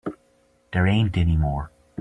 There ain't any more.